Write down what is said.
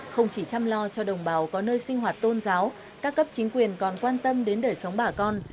không chỉ chăm lo cho đồng bào có nơi sinh hoạt tôn giáo các cấp chính quyền còn quan tâm đến đời sống bà con